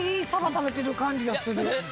食べてる感じがする。